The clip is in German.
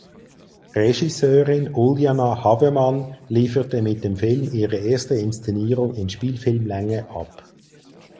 Regisseurin Uljana Havemann lieferte mit dem Film ihre erste Inszenierung in Spielfilmlänge ab.